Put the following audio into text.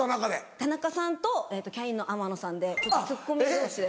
田中さんとキャインの天野さんでツッコミ同士で。